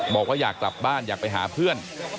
บอกว่าอยากกลับบ้านอยากไปหาเพื่อน